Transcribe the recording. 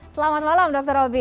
selamat malam dr roby